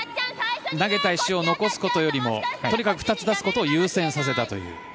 投げた石を残すことよりもとにかく２つ出すことを優先させたという。